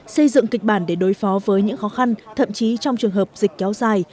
xây dựng kịch bản để đối phó với những khó khăn thậm chí trong trường hợp dịch kéo dài